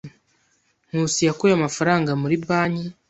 Nkusi yakuye amafaranga muri banki.